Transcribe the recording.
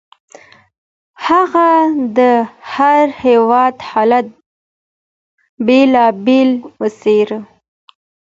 هغه د هر هېواد حالت بېل بېل وڅېړه.